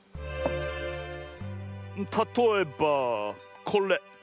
たとえばこれ！